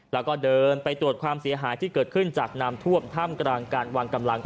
แล้วก็เดินไปตรวจความเสียหายที่เกิดขึ้นจากน้ำท่วมถ้ำกลางการวางกำลัง